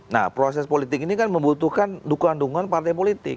nah proses politik ini kan membutuhkan dukungan dukungan partai politik